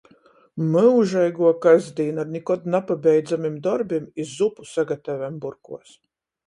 Myužeiguo kasdīna - ar nikod napabeidzamim dorbim i zupu sagatavem burkuos.